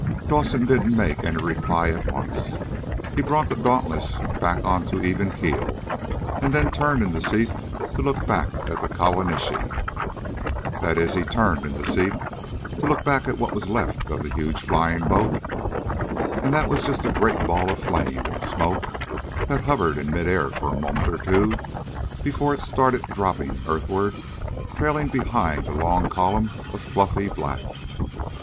Dawson didn't make any reply at once. He brought the Dauntless back onto even keel, and then turned in the seat to look back at the Kawanishi. That is, he turned in the seat to look back at what was left of the huge flying boat. And that was just a great ball of flame and smoke that hovered in midair for a moment or two before it started dropping earthward trailing behind a long column of fluffy black.